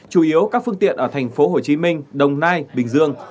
chủ yếu các phương tiện ở tp hcm đồng nai bình dương